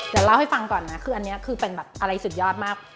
เดี๋ยวเล่าให้ฟังก่อนนะคืออันนี้คือเป็นแบบอะไรสุดยอดมาก